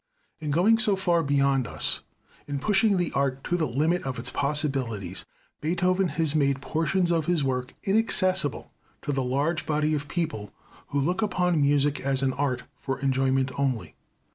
In going so far beyond us, in pushing the art to the limit of its possibilities, Beethoven has made portions of his work inaccessible to the large body of people who look upon music as an art for enjoyment only.